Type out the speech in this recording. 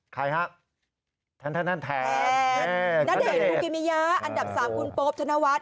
ใครฮะท่านแทนนาเดนลูกิมิยาอันดับสามคุณโป๊ปธนวัฒน์